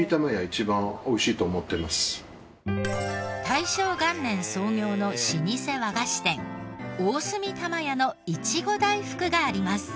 大正元年創業の老舗和菓子店大角玉屋のいちご大福があります。